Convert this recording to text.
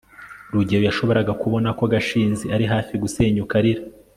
rugeyo yashoboraga kubona ko gashinzi ari hafi gusenyuka arira